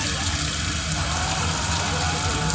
怒られてるな。